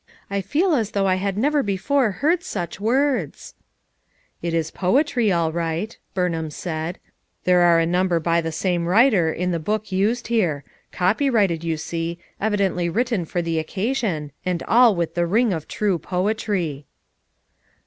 "I feel as though I had never before heard such words." "It is poetry, all right," Burnliam said. 284 FOUR MOTHERS AT CHAUTAUQUA "There are a number by the same writer in the book used here. Copyrighted, you see; evidently written for the occasion, and all with the ring of true poetry."